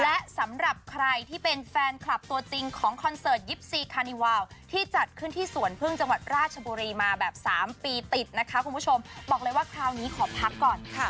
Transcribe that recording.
และสำหรับใครที่เป็นแฟนคลับตัวจริงของคอนเสิร์ตยิปซีคานิวาลที่จัดขึ้นที่สวนพึ่งจังหวัดราชบุรีมาแบบสามปีติดนะคะคุณผู้ชมบอกเลยว่าคราวนี้ขอพักก่อนค่ะ